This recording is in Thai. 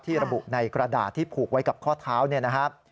ที่ระบุในกระดาษที่ผูกไว้กับข้อเท้า